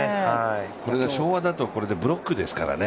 これが昭和だとこれでブロックですからね。